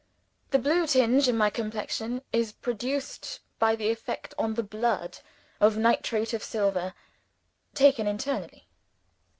The blue tinge in my complexion is produced by the effect on the blood of Nitrate of Silver taken internally.